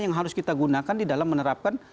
yang harus kita gunakan di dalam menerapkan